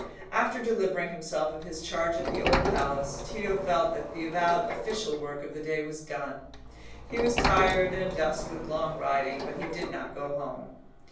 After delivering himself of his charge at the Old Palace, Tito felt that the avowed official work of the day was done. He was tired and adust with long riding; but he did not go home.